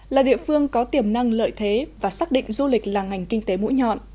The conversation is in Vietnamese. là địa phương có tiềm năng lợi thế và xác định du lịch là ngành kinh tế mũi nhọn